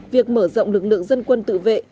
việc mở rộng lực lượng dân quân tự vệ